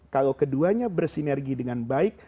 kalau keduanya bersinergi dengan baik